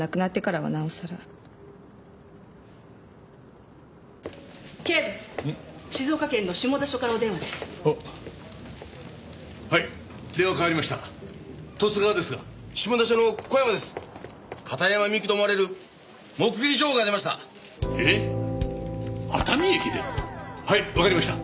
はいわかりました。